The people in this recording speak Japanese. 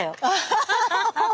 ハハハハ！